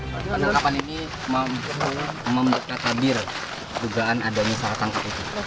penangkapan ini membuat takdir jugaan ada misal tangkap itu